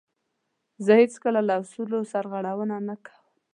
زه هیڅکله له اصولو سرغړونه نه کوم.